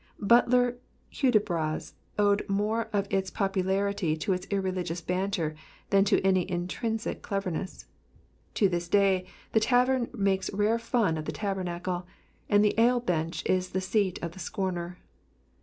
Butler's Hudibras owed more of its popularity to its irreligious banter than to any intrinsic cleverness. To this day the tavern makes rare fun of the tabernacle, and the ale bench is the seat of the scorner.